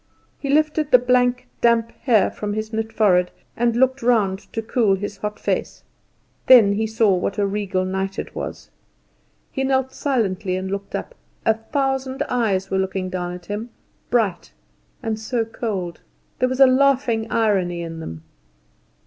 He lifted the black damp hair from his knit forehead, and looked round to cool his hot face. Then he saw what a regal night it was. He knelt silently and looked up. A thousand eyes were looking down at him, bright and so cold. There was a laughing irony in them.